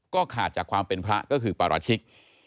ก็ขาดจากความเป็นพระก็คือปราชิก